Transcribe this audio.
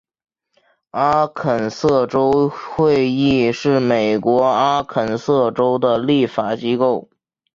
阿肯色州议会是美国阿肯色州的立法机构。